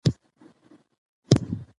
د هېواد دفاع په هر چا فرض ده.